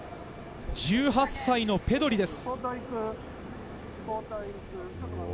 １８歳のペドリです。